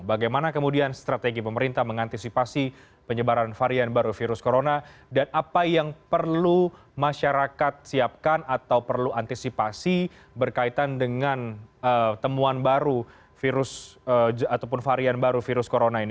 bagaimana kemudian strategi pemerintah mengantisipasi penyebaran varian baru virus corona dan apa yang perlu masyarakat siapkan atau perlu antisipasi berkaitan dengan temuan baru virus ataupun varian baru virus corona ini